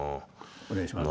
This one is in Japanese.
お願いします。